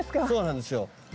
そうなんですよ。